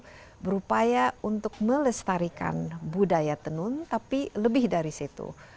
dan mereka juga melestarikan budaya tenun tapi lebih dari situ